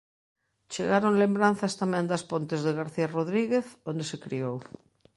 Chegaron lembranzas tamén das Pontes de García Rodríguez, onde se criou.